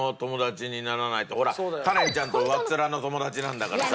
ほらカレンちゃんと上っ面の友達なんだからさ。